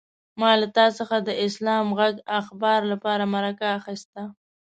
ما له تا څخه د اسلام غږ اخبار لپاره مرکه اخيسته.